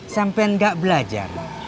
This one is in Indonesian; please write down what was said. sampian nggak belajar